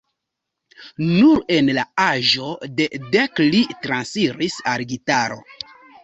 Nur en la aĝo de dek li transiris al gitaro.